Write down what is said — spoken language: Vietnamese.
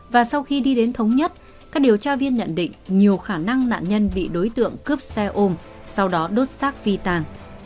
và sau khi đi đến thống nhất các điều tra viên nhận định nhiều khả năng nạn nhân bị đối tượng cướp xe ôm sau đó đốt xác phi tàng